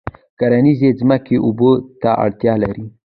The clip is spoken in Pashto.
کرنیزې ځمکې اوبو ته اړتیا لري.